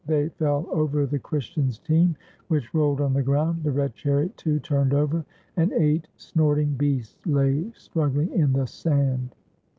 They fell over the Christian's team, which rolled on the ground ; the red chariot, too, turned over, and eight snorting beasts lay struggling in the sand.